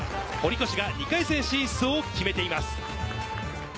堀越が２回戦進出を決めています。